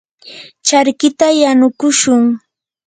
charkita yanukushun.